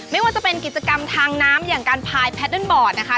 ไม่ว่าจะเป็นกิจกรรมทางน้ำอย่างการพายนะคะ